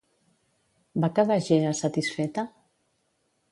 Va quedar Gea satisfeta?